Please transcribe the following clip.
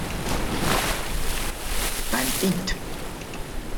Beim Int.